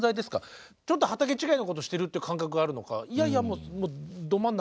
ちょっと畑違いのことしてるっていう感覚があるのかいやいやもうど真ん中